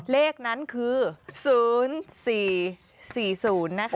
เลขนั้นคือ๐๔๔๐นะคะ